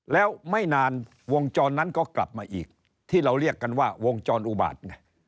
แล้วไม่นานวงจรนั้นก็กลับมาอีกที่เราเรียกกันว่าวงจรอุบาตไง